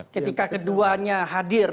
ketika keduanya hadir